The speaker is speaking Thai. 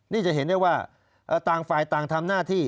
นี่จะเห็นได้ว่าต่างฝ่ายต่างทำหน้าที่